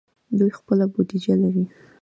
دوی خپله بودیجه لري.